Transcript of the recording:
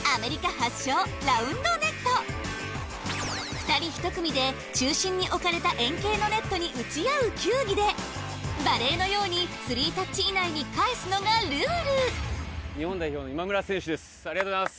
２人１組で中心に置かれた円形のネットに打ち合う球技でバレーのように３タッチ以内に返すのがルール日本代表の今村選手ですありがとうございます。